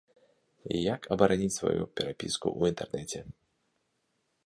Як абараніць сваю перапіску ў інтэрнэце?